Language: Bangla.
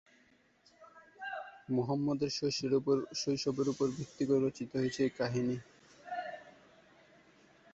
মুহাম্মদের শৈশবের উপর ভিত্তি করে রচিত হয়েছে এর কাহিনী।